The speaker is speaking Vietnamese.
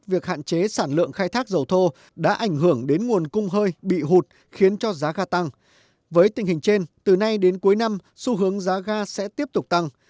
với tình hình trên từ nay đến cuối năm xu hướng giá ga sẽ tiếp tục tăng